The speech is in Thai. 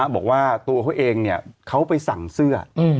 บอกว่าตัวเขาเองเขาไปสั่งเสื้อ